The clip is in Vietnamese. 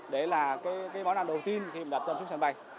đấy là món ăn đầu tiên khi mình đặt trong sân bay